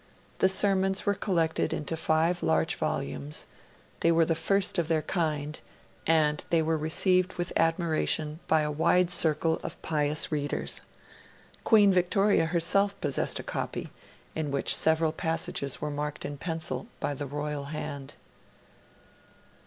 The sermons were collected into five large volumes; they were the first of their kind; and they were received with admiration by a wide circle of pious readers. Queen Victoria herself possessed a copy in which several passages were marked in pencil, by the Royal hand.